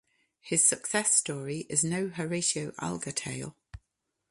His success story is no Horatio Alger tale.